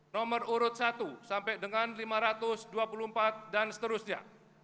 nomor urut satu sampai dengan lima ratus dua puluh empat dan seterusnya